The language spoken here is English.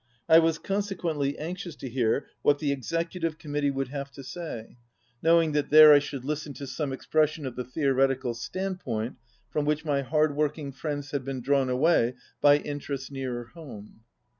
I was con sequently anxious to hear what the Executive Committee would have to say, knowing that there I should listen to some expression of the theoret ical standpoint from which my hard working friends had been drawn away by interests nearer home.